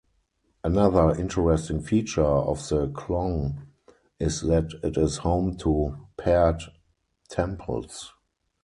Another interesting feature of the khlong is that it is home to paired temples.